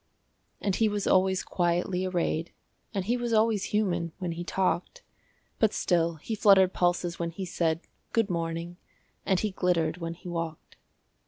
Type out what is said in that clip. And he was always quietly arrayed, And he was always human when he talked; But still he fluttered pulses when he said, "Good morning," and he glittered when he walked.